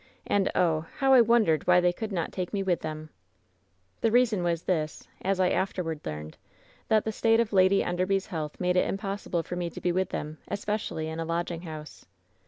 And, oh ! how I wondered why they could not take me with them ! "The reason was this, as I afterward learned: that the state of Lady Enderby's health made it impossible for me to be with them, especially in a lodging house.